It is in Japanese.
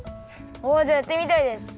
おじゃあやってみたいです。